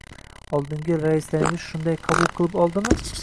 — Oldingi raislaringiz shunday qabul qilib oldimi?